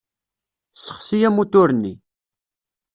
Ssexsi amutur-nni.